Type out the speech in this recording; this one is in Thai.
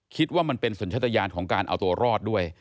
คิดว่ามันเป็นสัญชาติยานของการเอาตัวรอดด้วย